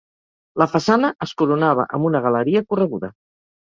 La façana es coronava amb una galeria correguda.